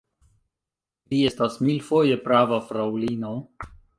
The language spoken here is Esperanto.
Vi estas milfoje prava, fraŭlino.